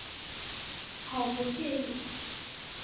好不惬意